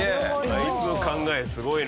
あいつの考えすごいな。